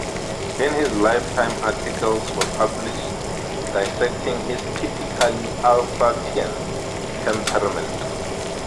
In his lifetime articles were published dissecting his "typically Alsatian" temperament.